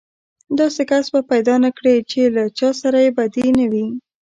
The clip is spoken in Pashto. داسې کس به پيدا نه کړې چې له چا سره يې بدي نه وي.